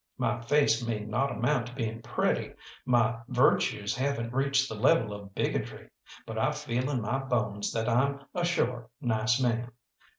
My face may not amount to being pretty, my virtues haven't reached the level of bigotry, but I feel in my bones that I'm a sure nice man.